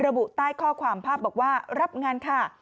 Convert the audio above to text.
ระบุใต้ข้อความภาพบอกว่ารับงานค่ะ